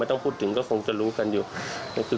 ต้องพูดถึงก็คงจะรู้กันอยู่